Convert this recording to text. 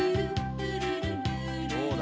どうだ？